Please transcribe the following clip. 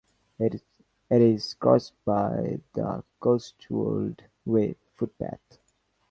It is crossed by the Cotswold Way footpath.